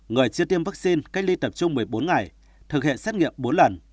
người chưa tiêm vaccine cách ly tập trung một mươi bốn ngày thực hiện xét nghiệm bốn lần